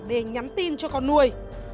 để nhắn tin cho con nuôi